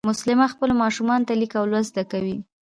مسلیمه خپلو ماشومانو ته لیک او لوست زده کوي